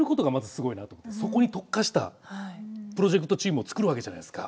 そこに特化したプロジェクトチームを作るわけじゃないですか。